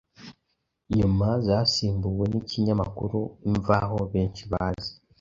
nyuma zasimbuwe ni ikinyamakuru "Imvaho" benshi bazi,